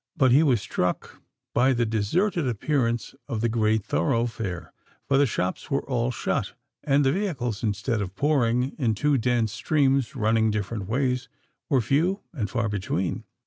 But he was struck by the deserted appearance of the great thoroughfare—for the shops were all shut, and the vehicles, instead of pouring in two dense streams running different ways, were few and far between.